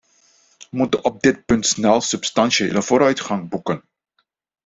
We moeten op dit punt snel substantiële vooruitgang boeken.